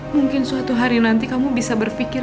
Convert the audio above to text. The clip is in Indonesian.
mungkin suatu hari nanti kamu bisa berpikir